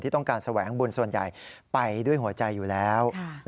ต้องการแสวงบุญส่วนใหญ่ไปด้วยหัวใจอยู่แล้ว